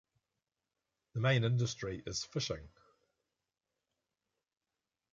The main industry is fishing.